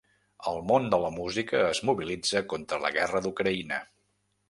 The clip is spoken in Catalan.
El món de la música es mobilitza contra la guerra d’Ucraïna.